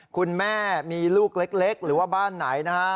คุณแม่มีลูกเล็กหรือว่าบ้านไหนนะฮะ